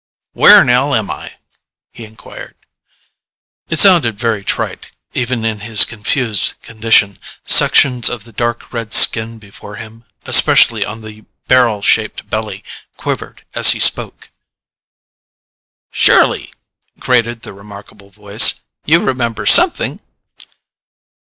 "Where'n'ell am I?" he inquired. It sounded very trite, even in his confused condition. Sections of the dark red skin before him, especially on the barrel shaped belly, quivered as he spoke. "Surely," grated the remarkable voice, "you remember something?"